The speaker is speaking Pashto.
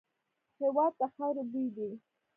هېواد د خاوري بوی دی.